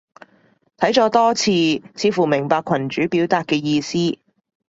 睇咗多次，似乎明白群主表達嘅意思